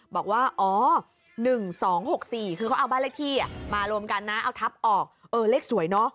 บอกว่า๑๒๖๔มารวมกันเอาทับเออเลขสวย